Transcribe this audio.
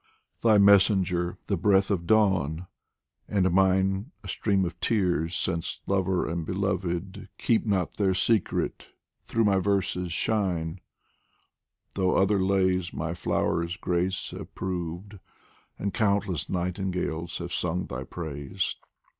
Thy messenger the breath of dawn, and mine A stream of tears, since lover and beloved Keep not their secret ; through my verses shine, Though other lays my flower's grace have proved And countless nightingales have sung thy praise.